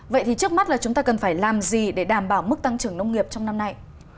vậy thì trước mắt là chúng ta cần phải làm gì để đảm bảo mức tăng trưởng nông nghiệp trong năm nay